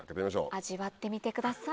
味わってみてください。